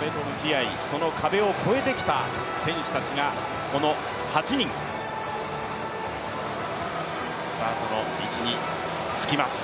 壁と向き合い、その壁を超えてきた選手たちがこの８人、スタートの位置につきます。